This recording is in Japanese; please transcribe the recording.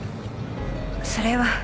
それは。